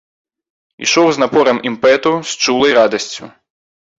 Ішоў з напорам імпэту, з чулай радасцю.